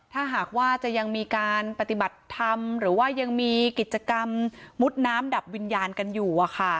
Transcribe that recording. ถ้าหากว่าจะยังมีการปฏิบัติธรรมหรือว่ายังมีกิจกรรมมุดน้ำดับวิญญาณกันอยู่